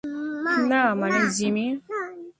না মানে জিমি।